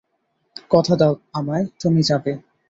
কথা দাও আমায়, তুমি যাবে।